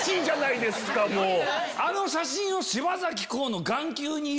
あの写真を。